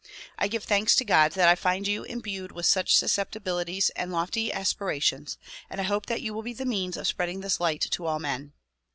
I give thanks to God that I find you imbued with such susceptibili ties and lofty aspirations and I hope that you will be the means of spreading this light to all men.